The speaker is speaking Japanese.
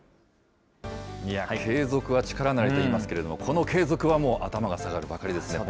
継続は力なりといいますけれども、この継続はもう頭が下がるばかりですね。